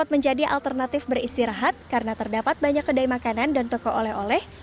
menjadi alternatif beristirahat karena terdapat banyak kedai makanan dan toko oleh oleh